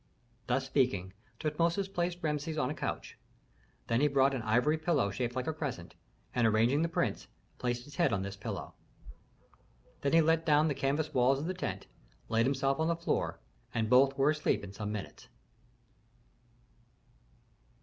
Thus speaking, Tutmosis placed Rameses on a couch; then he brought an ivory pillow shaped like a crescent, and arranging the prince, placed his head on this pillow. Then he let down the canvas walls of the tent, laid himself on the floor, and both were asleep in some minutes.